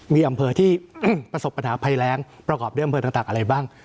มีอำเภอที่ประสบปัญหาภัยแรงประกอบด้วยอำเภอต่างอะไรบ้าง